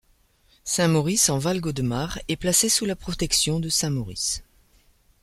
Saint-Maurice en Valgaudemard est placée sous la protection de saint Maurice.